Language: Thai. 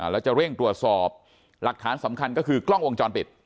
แล้วจะเร่งตรวจสอบหลักฐานสำคัญก็คือกล้องวงจรปิด